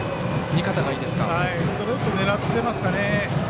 ストレート狙ってますかね。